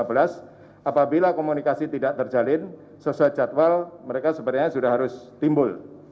harusnya jam lima lima belas apabila komunikasi tidak terjalin sesuai jadwal mereka sebenarnya sudah harus timbul